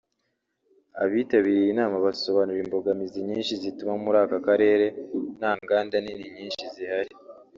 Abitabiriye iyi nama basobanura imbogamizi nyinshi zituma muri aka karere nta nganda nini nyinshi zihari